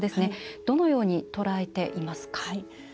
どのように捉えていますか。